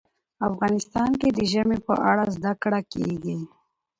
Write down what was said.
افغانستان کې د ژمی په اړه زده کړه کېږي.